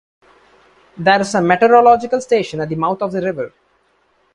There is a meteorological station at the mouth of the river.